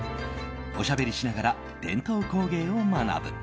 おしゃべりしながら伝統工芸を学ぶ。